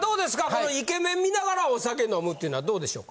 このイケメン観ながらお酒飲むってのはどうでしょう？